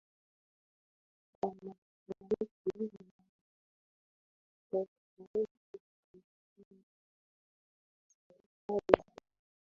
wa Mashariki na ni tofauti kabisa na aina za serikali za